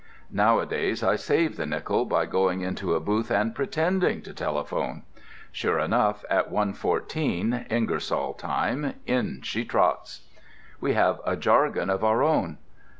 Nowadays I save the nickel by going into a booth and pretending to telephone. Sure enough, at 1:14, Ingersoll time, in she trots. We have a jargon of our own.